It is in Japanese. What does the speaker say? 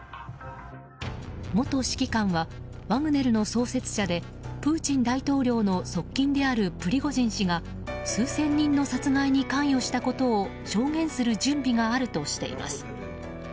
元指揮官は、ワグネルの創設者でプーチン大統領の側近であるプリゴジン氏が数千人の殺害に関与したことを証言する準備があるとしています。